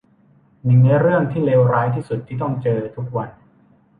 หนึ่งในเรื่องที่เลวร้ายที่สุดที่ต้องเจอทุกวัน